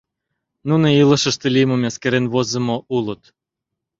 Нуно илышыште лиймым эскерен возымо улыт.